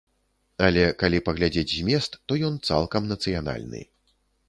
Але калі паглядзець змест, то ён цалкам нацыянальны.